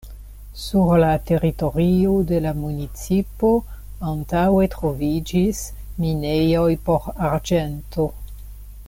Sur la teritorio de la municipo antaŭe troviĝis minejoj por arĝento.